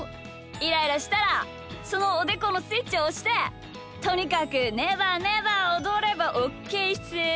イライラしたらそのおでこのスイッチをおしてとにかくねばねばおどればオッケーっす。